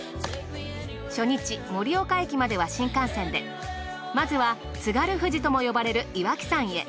初日盛岡駅までは新幹線でまずは津軽富士とも呼ばれる岩木山へ。